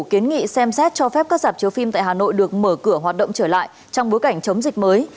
kiến nghị xem xét cho phép các dạp chiếu phim tại hà nội được mở cửa hoạt động trở lại trong bối cảnh chống dịch mới